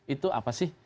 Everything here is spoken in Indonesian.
itu apa sih